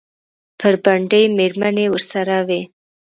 بربنډې مېرمنې ورسره وې؟